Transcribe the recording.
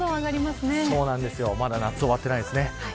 まだ夏が終わっていないですね。